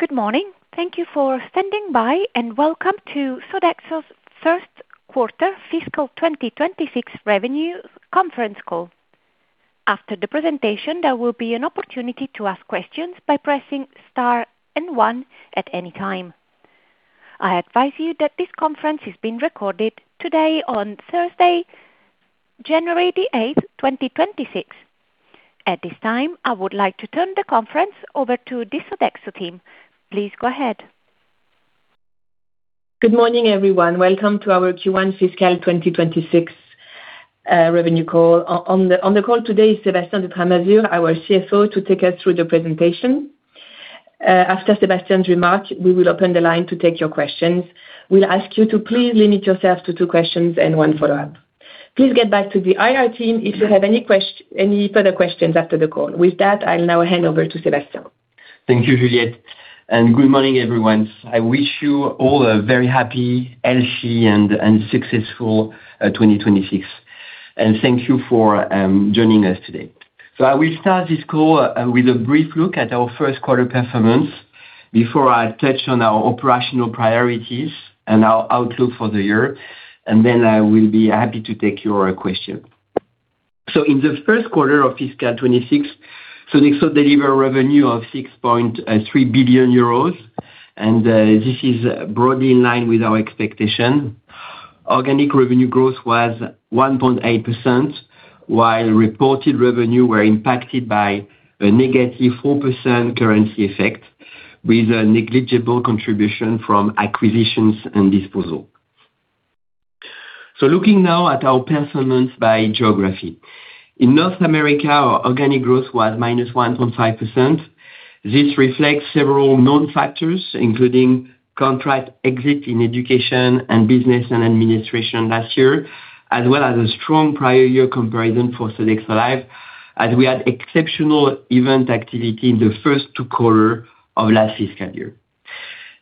Good morning. Thank you for standing by, and welcome to Sodexo's Q1 Fiscal 2026 Revenue Conference Call. After the presentation, there will be an opportunity to ask questions by pressing star and one at any time. I advise you that this conference is being recorded today, on Thursday, January the 8th, 2026. At this time, I would like to turn the conference over to the Sodexo team. Please go ahead. Good morning, everyone. Welcome to our Q1 Fiscal 2026 Revenue Call. On the call today is Sébastien de Tramasure, our CFO, to take us through the presentation. After Sébastien's remarks, we will open the line to take your questions. We'll ask you to please limit yourself to two questions and one follow-up. Please get back to the IR team if you have any further questions after the call. With that, I'll now hand over to Sébastien. Thank you, Juliette. And good morning, everyone. I wish you all a very happy, healthy, and successful 2026. And thank you for joining us today. So I will start this call with a brief look at our Q1 performance before I touch on our operational priorities and our outlook for the year. And then I will be happy to take your questions. So in the Q1 of Fiscal 2026, Sodexo delivered revenue of 6.3 billion euros, and this is broadly in line with our expectation. Organic revenue growth was 1.8%, while reported revenues were impacted by a negative 4% currency effect, with a negligible contribution from acquisitions and disposal. So looking now at our performance by geography, in North America, organic growth was minus 1.5%. This reflects several known factors, including contract exits in education and business and industry last year, as well as a strong prior year comparison for Sodexo Live, as we had exceptional event activity in the first two quarters of last FY,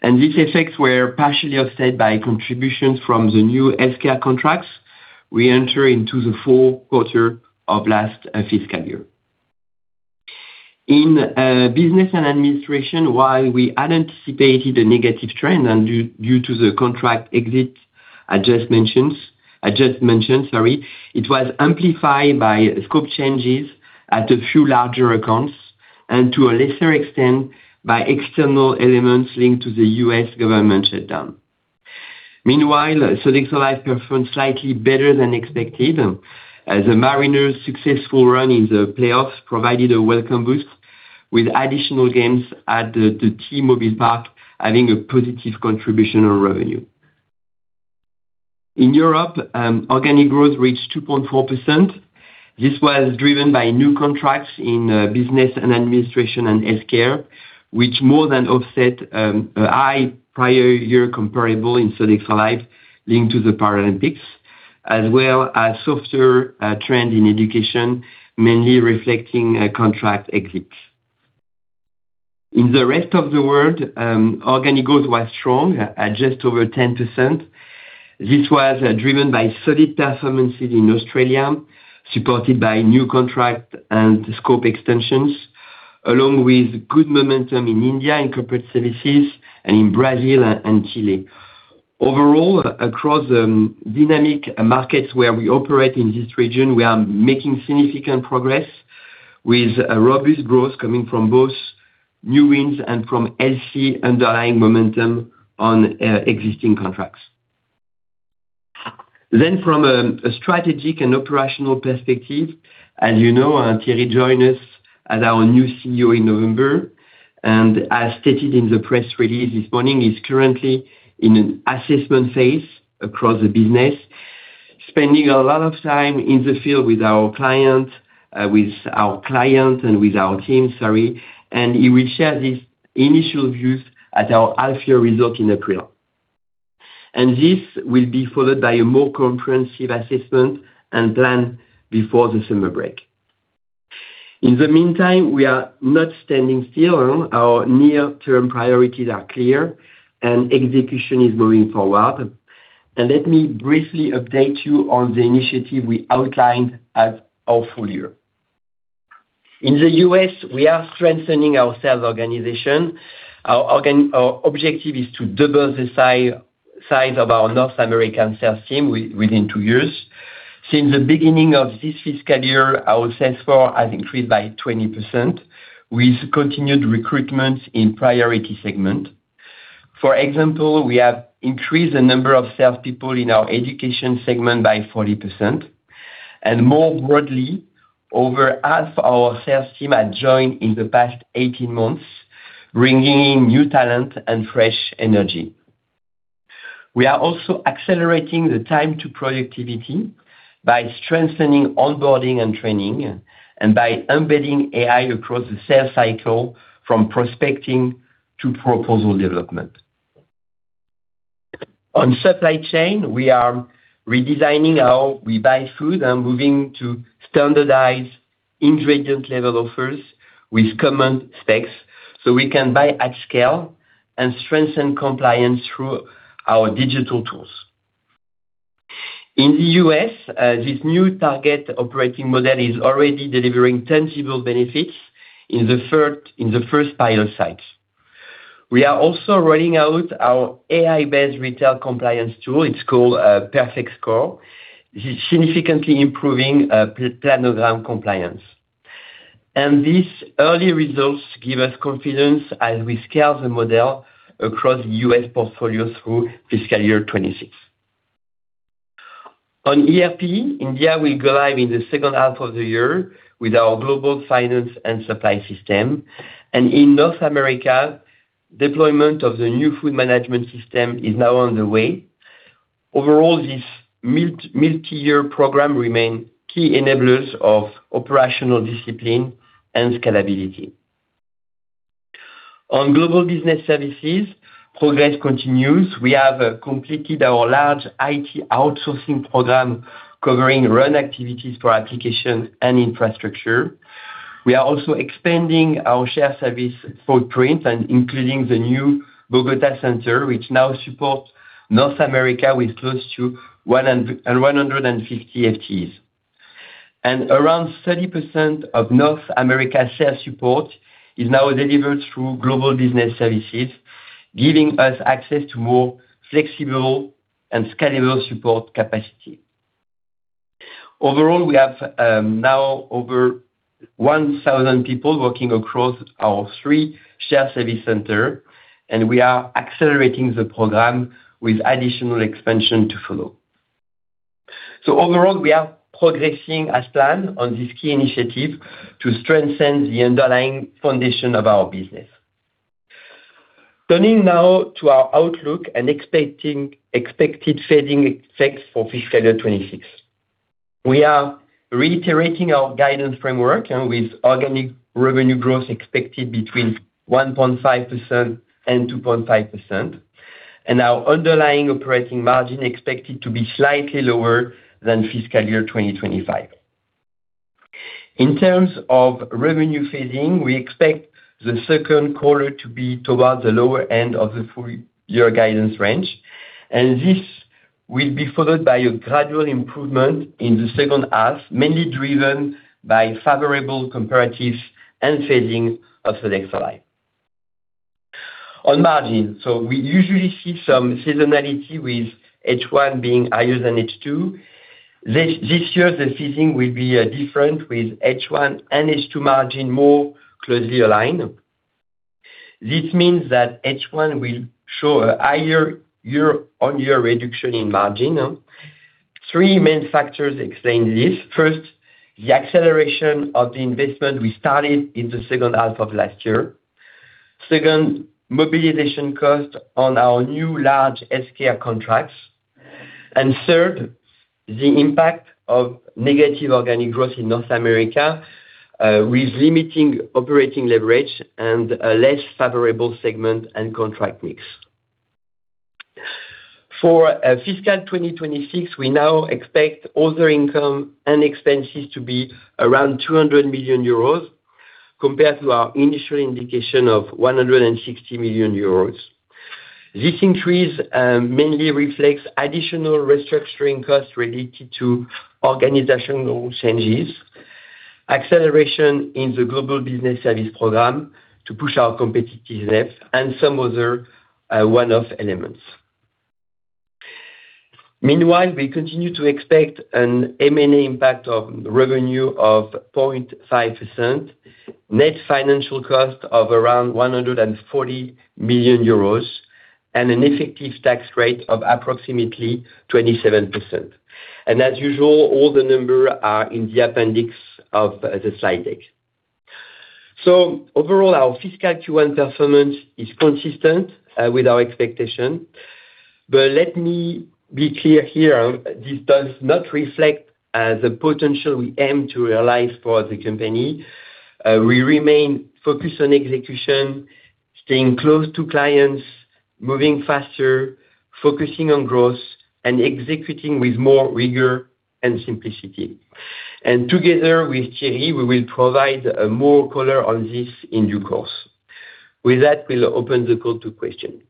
and these effects were partially offset by contributions from the new healthcare contracts we entered into the Q4 of last FY. In business and industry, while we had anticipated a negative trend due to the contract exits I just mentioned, it was amplified by scope changes at a few larger accounts and, to a lesser extent, by external elements linked to the U.S. government shutdown. Meanwhile, Sodexo Live performed slightly better than expected, as a Mariners' successful run in the playoffs provided a welcome boost, with additional games at the T-Mobile Park having a positive contribution on revenue. In Europe, organic growth reached 2.4%. This was driven by new contracts in business and industry and healthcare, which more than offset a high prior year comparable in Sodexo Live linked to the Paralympics, as well as a softer trend in education, mainly reflecting contract exits. In the rest of the world, organic growth was strong, at just over 10%. This was driven by solid performances in Australia, supported by new contracts and scope extensions, along with good momentum in India in corporate services and in Brazil and Chile. Overall, across the dynamic markets where we operate in this region, we are making significant progress, with robust growth coming from both new wins and from healthy underlying momentum on existing contracts. Then, from a strategic and operational perspective, as you know, Thierry joined us as our new CEO in November. As stated in the press release this morning, he's currently in an assessment phase across the business, spending a lot of time in the field with our client and with our team, sorry. He will share these initial views at our half-year result in April. This will be followed by a more comprehensive assessment and plan before the summer break. In the meantime, we are not standing still. Our near-term priorities are clear, and execution is moving forward. Let me briefly update you on the initiative we outlined at our full year. In the U.S., we are strengthening our sales organization. Our objective is to double the size of our North American sales team within two years. Since the beginning of this FY, our sales force has increased by 20%, with continued recruitment in the priority segment. For example, we have increased the number of salespeople in our education segment by 40%. And more broadly, over half our sales team has joined in the past 18 months, bringing in new talent and fresh energy. We are also accelerating the time to productivity by strengthening onboarding and training, and by embedding AI across the sales cycle, from prospecting to proposal development. On supply chain, we are redesigning how we buy food and moving to standardized ingredient-level offers with common specs so we can buy at scale and strengthen compliance through our digital tools. In the U.S., this new target operating model is already delivering tangible benefits in the first pilot sites. We are also rolling out our AI-based retail compliance tool. It's called Perfect Score. This is significantly improving planogram compliance. These early results give us confidence as we scale the model across the U.S. portfolio through FY 2026. On ERP, India will go live in the second half of the year with our global finance and supply system. In North America, deployment of the new food management system is now on the way. Overall, this multi-year program remains key enablers of operational discipline and Global Business Services, progress continues. We have completed our large IT outsourcing program covering run activities for applications and infrastructure. We are also expanding our shared service footprint and including the new Bogotá Center, which now supports North America with close to 150 FTEs. Around 30% of North America's shared support is now Global Business Services, giving us access to more flexible and scalable support capacity. Overall, we have now over 1,000 people working across our three shared service centers, and we are accelerating the program with additional expansion to follow. So overall, we are progressing as planned on this key initiative to strengthen the underlying foundation of our business. Turning now to our outlook and expected phasing effects for FY 2026, we are reiterating our guidance framework with organic revenue growth expected between 1.5% and 2.5%, and our underlying operating margin expected to be slightly lower than FY 2025. In terms of revenue phasing, we expect the second quarter to be towards the lower end of the full-year guidance range, and this will be followed by a gradual improvement in the second half, mainly driven by favorable comparatives and phasing of Sodexo Live. On margin, so we usually see some seasonality with H1 being higher than H2. This year, the phasing will be different, with H1 and H2 margin more closely aligned. This means that H1 will show a higher year-on-year reduction in margin. Three main factors explain this. First, the acceleration of the investment we started in the second half of last year. Second, mobilization costs on our new large healthcare contracts. And third, the impact of negative organic growth in North America with limiting operating leverage and a less favorable segment and contract mix. For fiscal 2026, we now expect other income and expenses to be around 200 million euros compared to our initial indication of 160 million euros. This increase mainly reflects additional restructuring costs related to organizational changes, acceleration in the Global Business Services program to push our competitive depth, and some other one-off elements. Meanwhile, we continue to expect an M&A impact of revenue of 0.5%, net financial cost of around 140 million euros, and an effective tax rate of approximately 27%. And as usual, all the numbers are in the appendix of the slide deck. So overall, our fiscal Q1 performance is consistent with our expectation. But let me be clear here. This does not reflect the potential we aim to realize for the company. We remain focused on execution, staying close to clients, moving faster, focusing on growth, and executing with more rigor and simplicity. And together with Thierry, we will provide more color on this in due course. With that, we'll open the call to questions.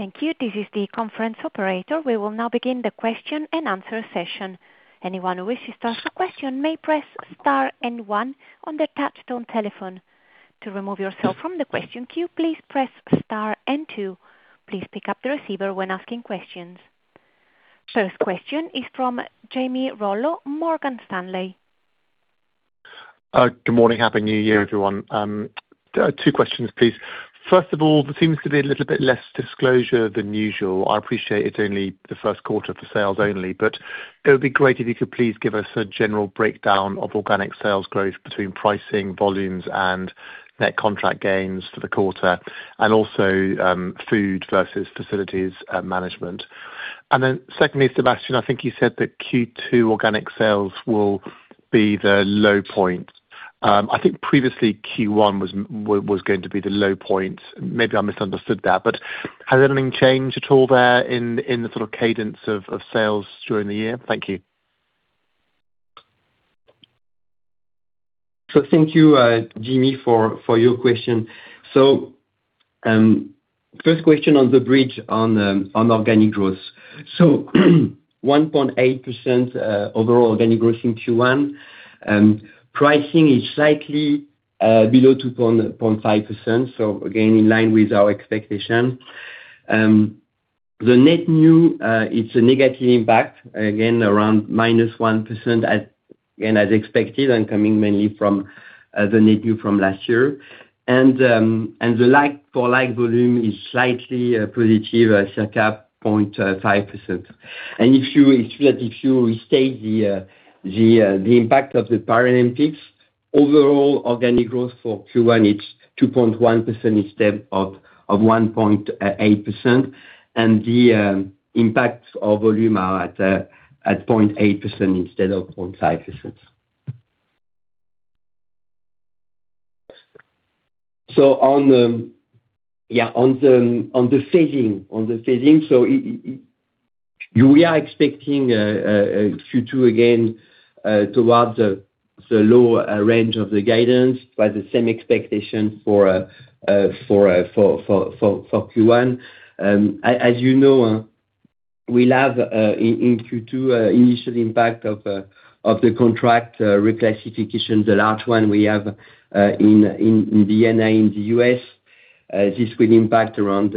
Thank you. This is the conference operator. We will now begin the question-and-answer session. Anyone who wishes to ask a question may press star and one on the touchtone telephone. To remove yourself from the question queue, please press star and two. Please pick up the receiver when asking questions. First question is from Jamie Rollo, Morgan Stanley. Good morning. Happy New Year, everyone. Two questions, please. First of all, there seems to be a little bit less disclosure than usual. I appreciate it's only the Q1 for sales only, but it would be great if you could please give us a general breakdown of organic sales growth between pricing, volumes, and net contract gains for the quarter, and also food versus facilities management. And then secondly, Sébastien, I think you said that Q2 organic sales will be the low point. I think previously Q1 was going to be the low point. Maybe I misunderstood that. But has anything changed at all there in the sort of cadence of sales during the year? Thank you. Thank you, Jamie, for your question. First question on the bridge on organic growth. 1.8% overall organic growth in Q1. Pricing is slightly below 2.5%, so again, in line with our expectation. The net new, it's a negative impact, again, around minus 1%, again, as expected, and coming mainly from the net new from last year. The like-for-like volume is slightly positive, circa 0.5%. If you restate the impact of the Paralympics, overall organic growth for Q1, it's 2.1% instead of 1.8%. The impact of volume are at 0.8% instead of 0.5%. Yeah, on the phasing, we are expecting Q2 again towards the low range of the guidance, but the same expectation for Q1. As you know, we have in Q2 initial impact of the contract reclassification, the large one we have in B&I in the U.S. This will impact around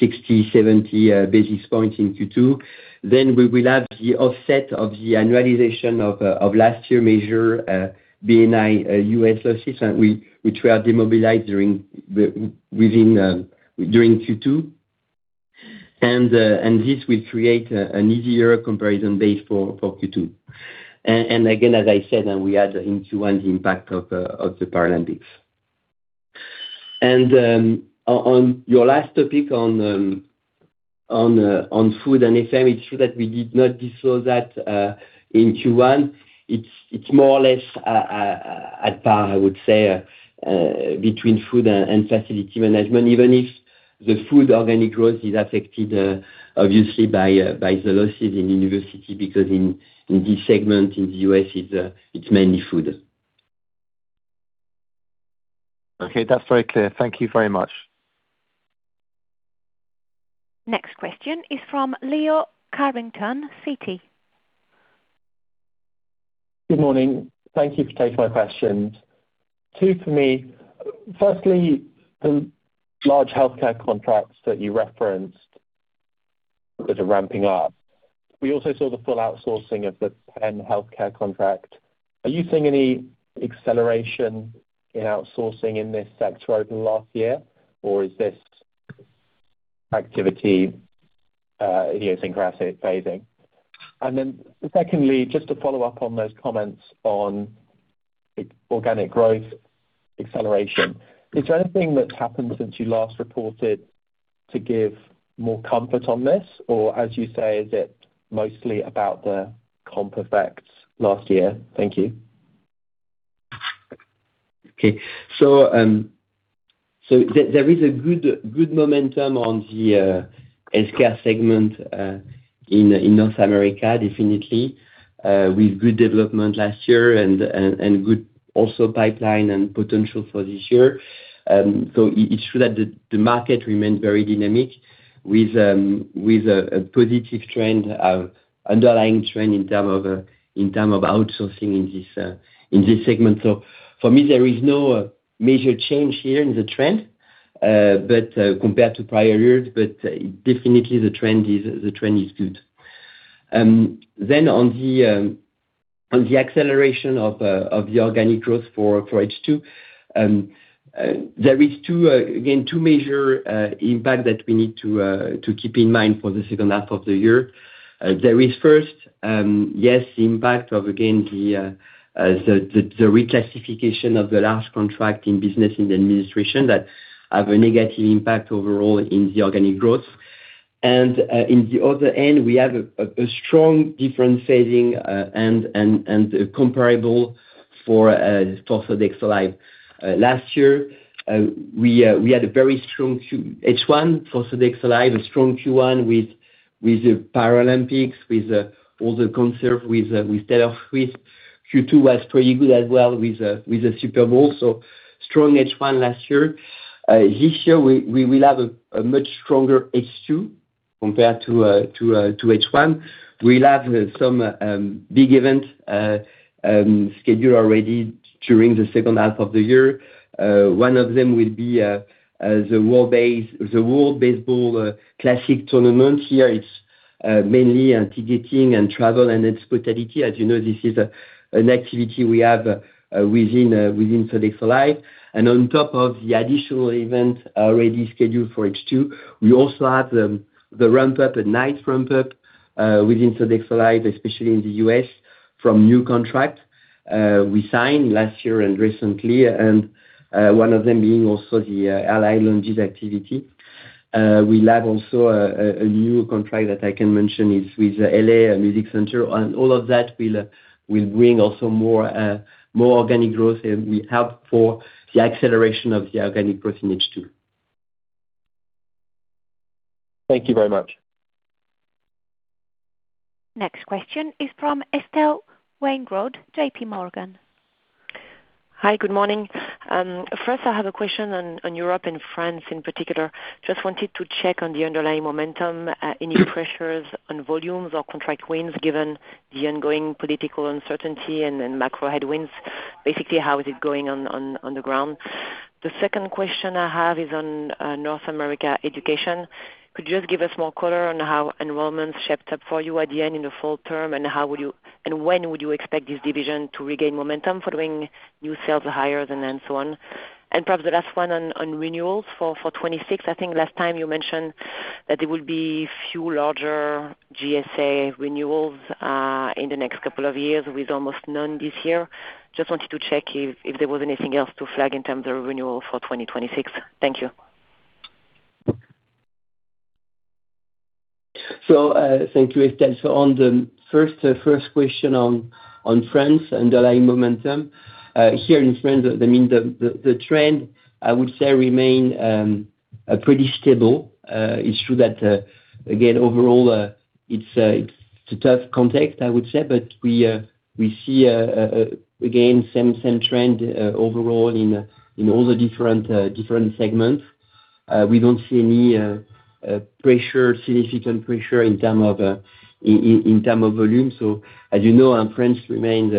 60-70 basis points in Q2. Then we will have the offset of the annualization of last year measure, B&I U.S. losses, which were demobilized during Q2, and this will create an easier comparison base for Q2. And again, as I said, we had in Q1 the impact of the Paralympics. And on your last topic on food and FM, it's true that we did not disclose that in Q1. It's more or less at par, I would say, between food and facility management, even if the food organic growth is affected, obviously, by the losses in university because in this segment in the U.S., it's mainly food. Okay. That's very clear. Thank you very much. Next question is from Leo Carrington, Citi. Good morning. Thank you for taking my questions. Two for me. Firstly, the large healthcare contracts that you referenced that are ramping up. We also saw the full outsourcing of the Penn healthcare contract. Are you seeing any acceleration in outsourcing in this sector over the last year, or is this activity asynchronously phasing? And then secondly, just to follow up on those comments on organic growth acceleration, is there anything that's happened since you last reported to give more comfort on this? Or as you say, is it mostly about the comp effects last year? Thank you. Okay. So there is a good momentum on the healthcare segment in North America, definitely, with good development last year and good also pipeline and potential for this year. So it's true that the market remained very dynamic with a positive trend, underlying trend in terms of outsourcing in this segment. So for me, there is no major change here in the trend compared to prior years, but definitely, the trend is good. Then on the acceleration of the organic growth for H2, there is, again, two major impacts that we need to keep in mind for the second half of the year. There is first, yes, the impact of, again, the reclassification of the large contract in business and industry that have a negative impact overall in the organic growth. And in the other end, we have a strong base effect phasing and comparables for Sodexo Live. Last year, we had a very strong H1 for Sodexo Live.A strong Q1 with the Paralympics, with all the concert with Taylor Swift. Q2 was pretty good as well with the Super Bowl, so strong H1 last year. This year, we will have a much stronger H2 compared to H1. We'll have some big events scheduled already during the second half of the year. One of them will be the World Baseball Classic tournament. Here, it's mainly ticketing and travel and hospitality. As you know, this is an activity we have within Sodexo Live, and on top of the additional events already scheduled for H2, we also have the ramp-up, a nice ramp-up within Sodexo Live, especially in the U.S., from new contracts we signed last year and recently, and one of them being also the Aer Lingus activity. We'll have also a new contract that I can mention with LA Music Center, and all of that will bring also more organic growth and will help for the acceleration of the organic growth in H2. Thank you very much. Next question is from Estelle Weingrod, JPMorgan. Hi, good morning. First, I have a question on Europe and France in particular. Just wanted to check on the underlying momentum, any pressures on volumes or contract wins given the ongoing political uncertainty and macro headwinds. Basically, how is it going on the ground? The second question I have is on North America education. Could you just give us more color on how enrollments shaped up for you at the end in the fall term, and when would you expect this division to regain momentum following new sales hires and so on? And perhaps the last one on renewals for 2026. I think last time you mentioned that there will be few larger GSA renewals in the next couple of years with almost none this year. Just wanted to check if there was anything else to flag in terms of renewal for 2026. Thank you. Thank you, Estelle. On the first question on France and the B&I momentum, here in France, the trend, I would say, remains pretty stable. It's true that, again, overall, it's a tough context, I would say, but we see, again, same trend overall in all the different segments. We don't see any pressure, significant pressure in terms of volume. As you know, France remains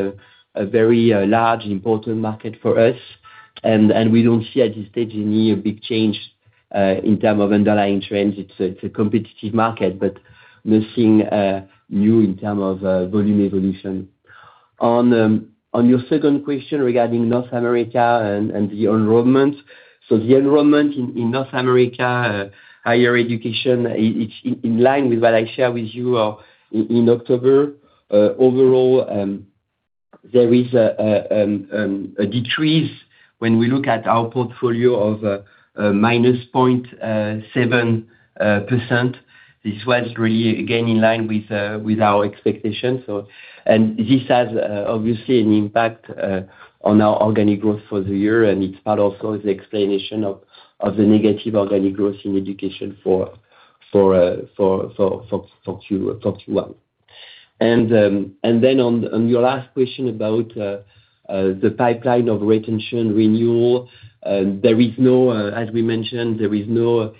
a very large, important market for us. We don't see at this stage any big change in terms of underlying trends. It's a competitive market, but nothing new in terms of volume evolution. On your second question regarding North America and the enrollment, the enrollment in North America, higher education, it's in line with what I shared with you in October. Overall, there is a decrease when we look at our portfolio of minus 0.7%. This was really, again, in line with our expectations. And this has obviously an impact on our organic growth for the year, and it's part also of the explanation of the negative organic growth in education for Q1. And then on your last question about the pipeline of retention renewal, there is no, as we mentioned, there is no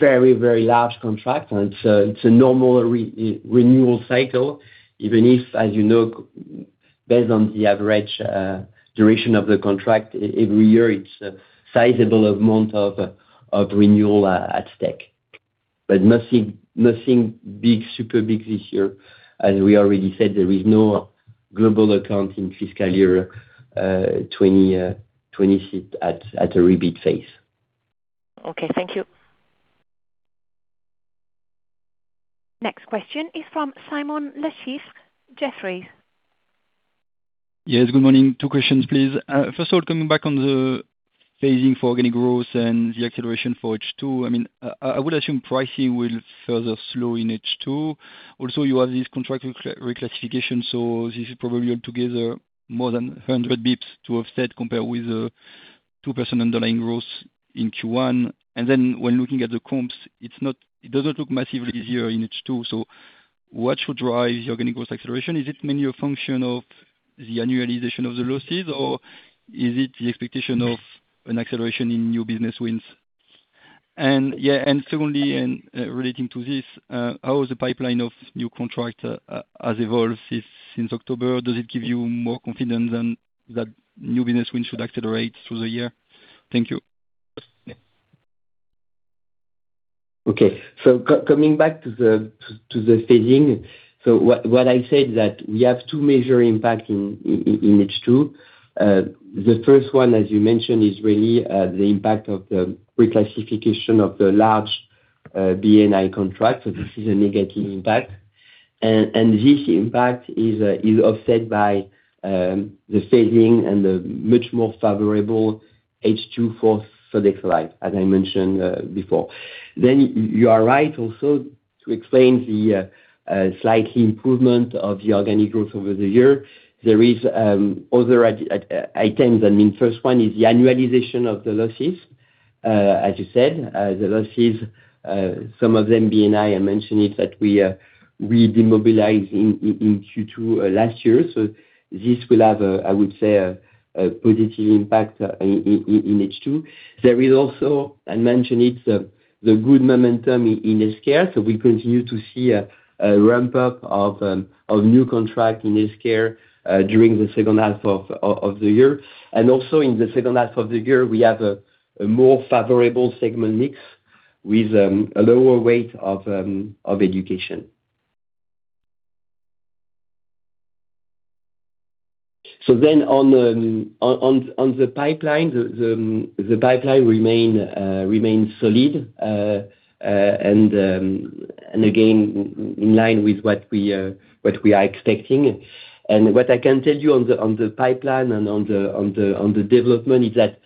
very, very large contract. It's a normal renewal cycle, even if, as you know, based on the average duration of the contract every year, it's a sizable amount of renewal at stake. But nothing big, super big this year. As we already said, there is no global account in FY 2026 at a repeat phase. Okay. Thank you. Next question is from Simon LeChipre, Jefferies. Yes. Good morning. Two questions, please. First of all, coming back on the phasing for organic growth and the acceleration for H2, I would assume pricing will further slow in H2. Also, you have this contract reclassification, so this is probably altogether more than 100 basis points to offset compared with the 2% underlying growth in Q1. And then when looking at the comps, it doesn't look massively easier in H2. So what should drive the organic growth acceleration? Is it mainly a function of the annualization of the losses, or is it the expectation of an acceleration in new business wins? And secondly, relating to this, how has the pipeline of new contracts evolved since October? Does it give you more confidence that new business wins should accelerate through the year? Thank you. Okay. So coming back to the phasing, so what I said is that we have two major impacts in H2. The first one, as you mentioned, is really the impact of the reclassification of the large B&I contract. So this is a negative impact. And this impact is offset by the phasing and the much more favorable H2 for Sodexo Live, as I mentioned before. Then you are right also to explain the slight improvement of the organic growth over the year. There are other items. The first one is the annualization of the losses. As you said, the losses, some of them B&I, I mentioned it that we demobilized in Q2 last year. So this will have, I would say, a positive impact in H2. There is also, I mentioned it, the good momentum in healthcare. We continue to see a ramp-up of new contracts in healthcare during the second half of the year. And also in the second half of the year, we have a more favorable segment mix with a lower weight of education. So then on the pipeline, the pipeline remains solid. And again, in line with what we are expecting. And what I can tell you on the pipeline and on the development is that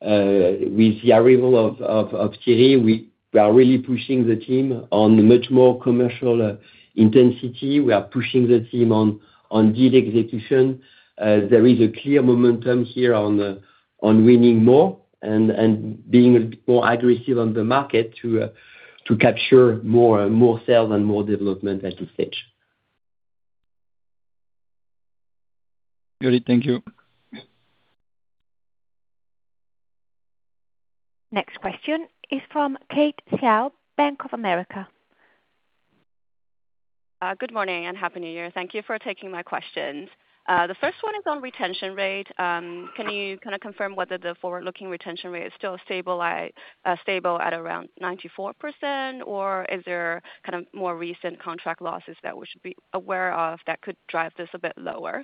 with the arrival of Thierry, we are really pushing the team on much more commercial intensity. We are pushing the team on deal execution. There is a clear momentum here on winning more and being a bit more aggressive on the market to capture more sales and more development at this stage. Got it. Thank you. Next question is from Kate Xiao, Bank of America. Good morning and happy New Year. Thank you for taking my questions. The first one is on retention rate. Can you kind of confirm whether the forward-looking retention rate is still stable at around 94%, or is there kind of more recent contract losses that we should be aware of that could drive this a bit lower?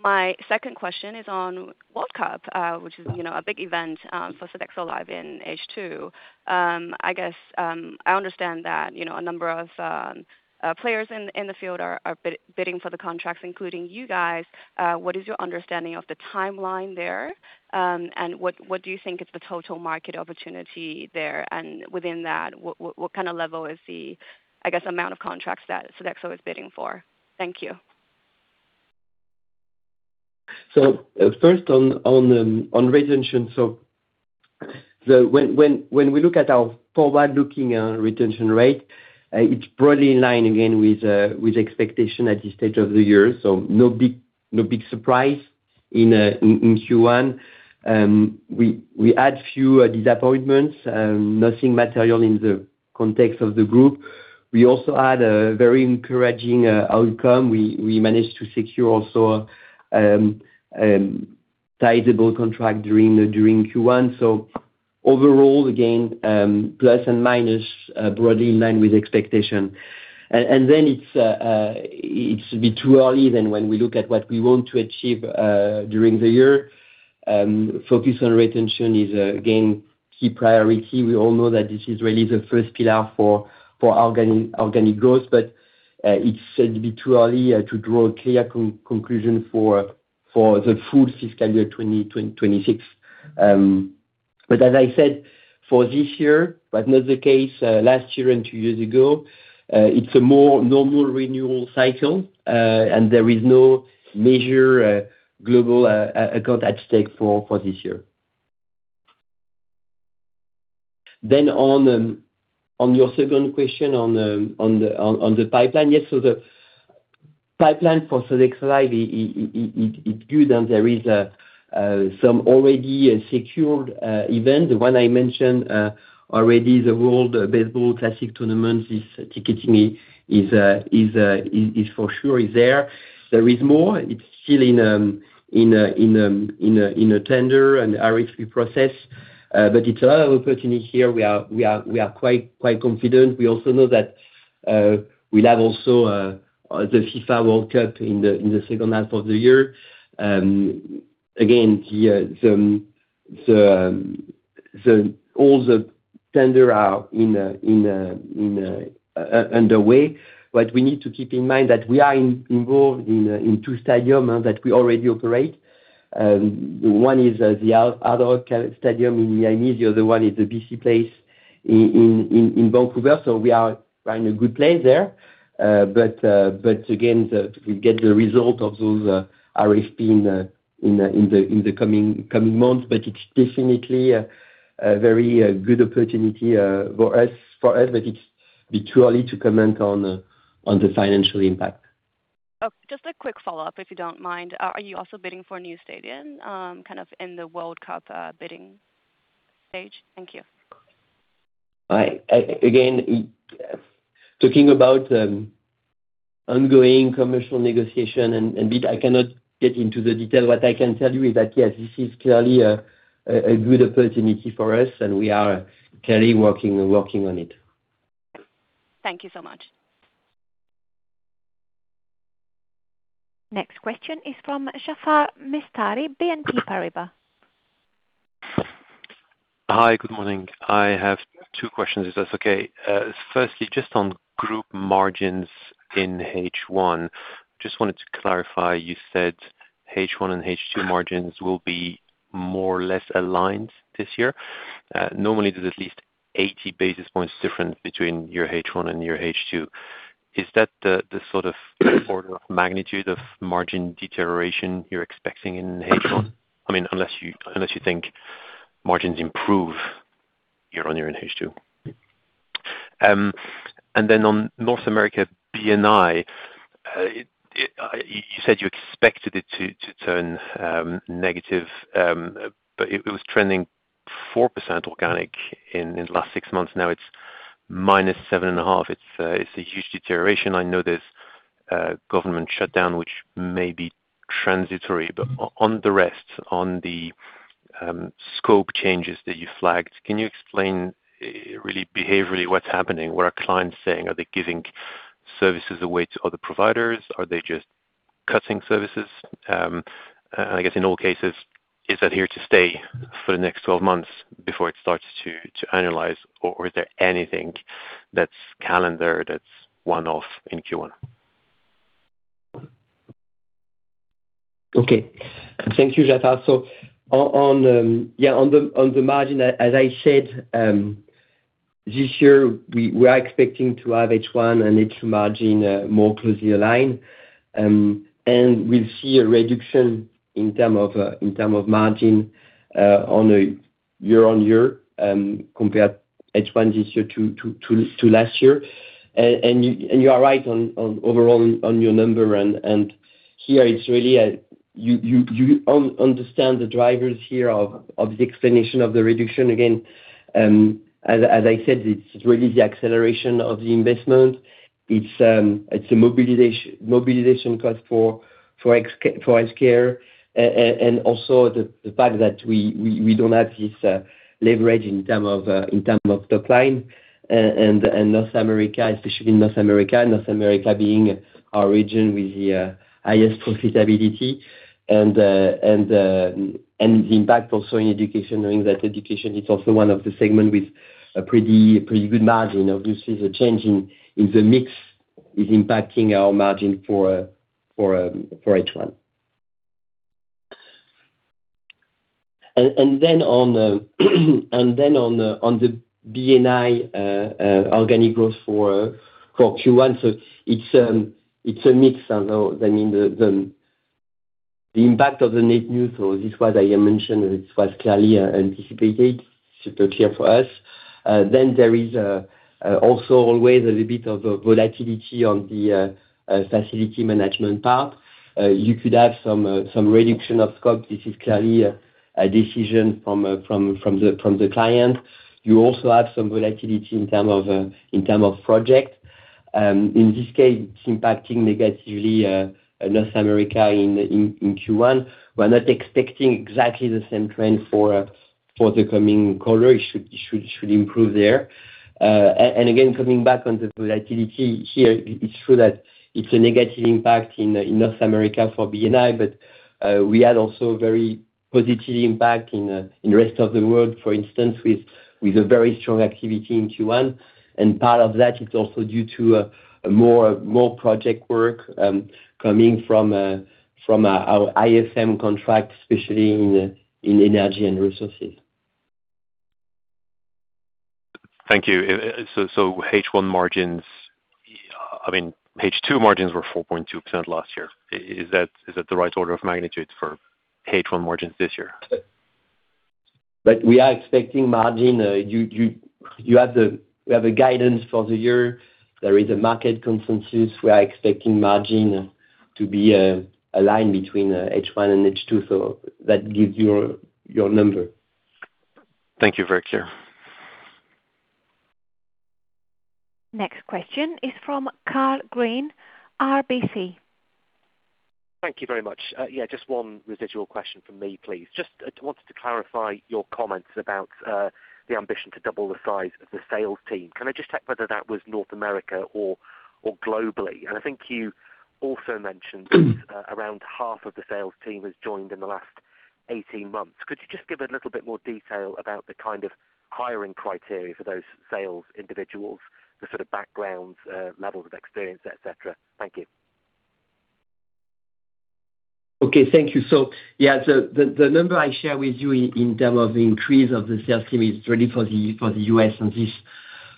My second question is on World Cup, which is a big event for Sodexo Live in H2. I guess I understand that a number of players in the field are bidding for the contracts, including you guys. What is your understanding of the timeline there, and what do you think is the total market opportunity there? And within that, what kind of level is the, I guess, amount of contracts that Sodexo is bidding for? Thank you. First on retention. When we look at our forward-looking retention rate, it's broadly in line, again, with expectation at this stage of the year. No big surprise in Q1. We had a few disappointments, nothing material in the context of the group. We also had a very encouraging outcome. We managed to secure also a sizable contract during Q1. Overall, again, plus and minus broadly in line with expectation. It's a bit too early then when we look at what we want to achieve during the year. Focus on retention is, again, key priority. We all know that this is really the first pillar for organic growth, but it's a bit too early to draw a clear conclusion for the full FY 2026. But as I said, for this year, but not the case last year and two years ago, it's a more normal renewal cycle, and there is no major global account at stake for this year. Then on your second question on the pipeline, yes, so the pipeline for Sodexo Live, it's good, and there is some already secured events. The one I mentioned already is the World Baseball Classic tournament. This ticketing is for sure there. There is more. It's still in a tender and RFP process, but it's an opportunity here. We are quite confident. We also know that we'll have also the FIFA World Cup in the second half of the year. Again, all the tenders are underway. But we need to keep in mind that we are involved in two stadiums that we already operate. One is the other stadium in Miami. The other one is the BC Place in Vancouver. So we are in a good place there. But again, we'll get the result of those RFPs in the coming months. But it's definitely a very good opportunity for us, but it's a bit too early to comment on the financial impact. Just a quick follow-up, if you don't mind. Are you also bidding for a new stadium kind of in the World Cup bidding stage? Thank you. All right. Again, talking about ongoing commercial negotiation, and I cannot get into the detail. What I can tell you is that, yes, this is clearly a good opportunity for us, and we are clearly working on it. Thank you so much. Next question is from Jarrod Castle, BNP Paribas. Hi, good morning. I have two questions, if that's okay. Firstly, just on group margins in H1. Just wanted to clarify, you said H1 and H2 margins will be more or less aligned this year. Normally, there's at least 80 basis points different between your H1 and your H2. Is that the sort of order of magnitude of margin deterioration you're expecting in H1? Unless you think margins improve year on year in H2. And then on North America B&I, you said you expected it to turn negative, but it was trending 4% organic in the last six months. Now it's minus 7.5%. It's a huge deterioration. I know there's government shutdown, which may be transitory. But on the rest, on the scope changes that you flagged, can you explain really behaviorally what's happening? What are clients saying? Are they giving services away to other providers? Are they just cutting services? And I guess in all cases, is that here to stay for the next 12 months before it starts to annualize, or is there anything that's calendar that's one-off in Q1? Okay. Thank you, Jarrod. So yeah, on the margin, as I said, this year, we are expecting to have H1 and H2 margin more closely aligned. We'll see a reduction in terms of margin on a year-on-year compared to H1 this year to last year. You are right overall on your number. Here, it's really you understand the drivers here of the explanation of the reduction. Again, as I said, it's really the acceleration of the investment. It's the mobilization cost for healthcare. Also the fact that we don't have this leverage in terms of top line. North America, especially North America, North America being our region with the highest profitability. The impact also in education, knowing that education is also one of the segments with a pretty good margin. Obviously, the change in the mix is impacting our margin for H1. And then, on the B&I organic growth for Q1, so it's a mix. The impact of the net new, this is what I mentioned. It was clearly anticipated, super clear for us. Then there is also always a little bit of volatility on the facility management part. You could have some reduction of scope. This is clearly a decision from the client. You also have some volatility in terms of project. In this case, it's impacting negatively North America in Q1. We're not expecting exactly the same trend for the coming quarter. It should improve there. And again, coming back on the volatility here, it's true that it's a negative impact in North America for B&I, but we had also a very positive impact in the rest of the world, for instance, with a very strong activity in Q1. Part of that is also due to more project work coming from our IFM contract, especially in energy and resources. Thank you. So H1 margins, H2 margins were 4.2% last year. Is that the right order of magnitude for H1 margins this year? But we are expecting margin. We have a guidance for the year. There is a market consensus where we are expecting margin to be aligned between H1 and H2. So that gives you your number. Thank you, very clear. Next question is from Karl Green, RBC. Thank you very much. Yeah, just one residual question from me, please. Just wanted to clarify your comments about the ambition to double the size of the sales team. Can I just check whether that was North America or globally? And I think you also mentioned around half of the sales team has joined in the last 18 months. Could you just give a little bit more detail about the kind of hiring criteria for those sales individuals, the sort of backgrounds, levels of experience, etc.? Thank you. Okay. Thank you. So yeah, the number I share with you in terms of the increase of the sales team is ready for the U.S., and this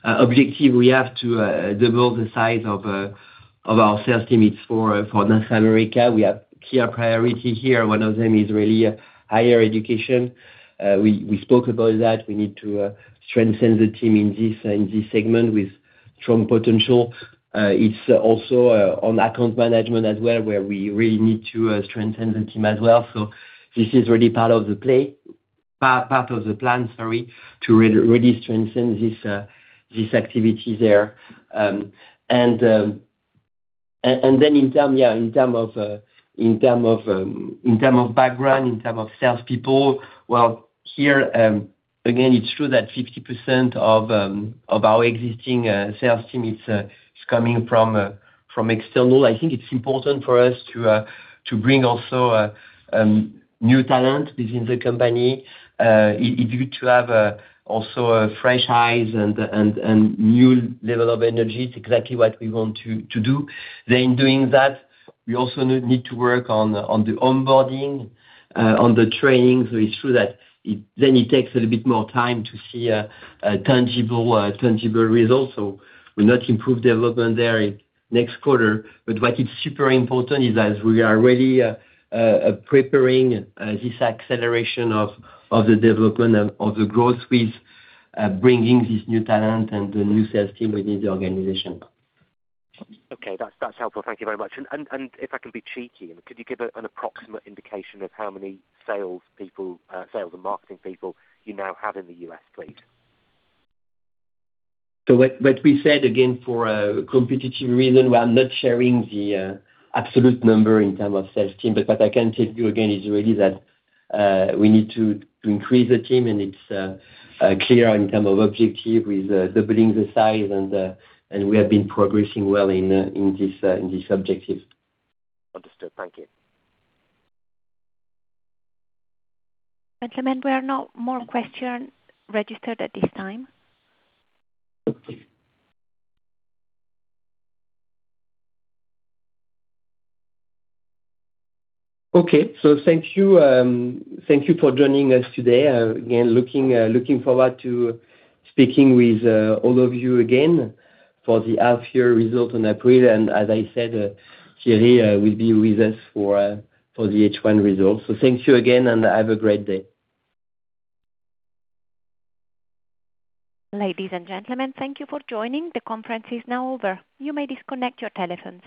objective, we have to double the size of our sales team. It's for North America. We have clear priority here. One of them is really higher education. We spoke about that. We need to strengthen the team in this segment with strong potential. It's also on account management as well, where we really need to strengthen the team as well. So this is really part of the plan, sorry, to really strengthen this activity there. And then in terms of background, in terms of salespeople, well, here, again, it's true that 50% of our existing sales team, it's coming from external. I think it's important for us to bring also new talent within the company. It's good to have also fresh eyes and new level of energy. It's exactly what we want to do, then in doing that, we also need to work on the onboarding, on the training, so it's true that then it takes a little bit more time to see tangible results, so we'll not improve development there next quarter, but what is super important is that we are really preparing this acceleration of the development of the growth with bringing this new talent and the new sales team within the organization. Okay. That's helpful. Thank you very much and if I can be cheeky, could you give an approximate indication of how many salespeople, sales and marketing people you now have in the U.S., please? So what we said, again, for a competitive reason, we are not sharing the absolute number in terms of sales team. But what I can tell you, again, is really that we need to increase the team, and it's clear in terms of objective with doubling the size. And we have been progressing well in this objective. Understood. Thank you. Gentlemen, we have no more questions registered at this time. Okay. So thank you for joining us today. Again, looking forward to speaking with all of you again for the half-year result in April. And as I said, Thierry will be with us for the H1 result. So thank you again, and have a great day. Ladies and gentlemen, thank you for joining. The conference is now over. You may disconnect your telephone.